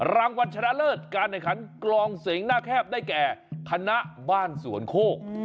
รางวัลชนะเลิศการแข่งขันกลองเสียงหน้าแคบได้แก่คณะบ้านสวนโคก